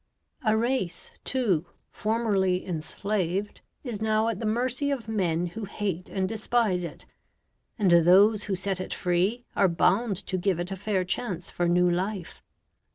A race, too, formerly enslaved, is now at the mercy of men who hate and despise it, and those who set it free are bound to give it a fair chance for new life.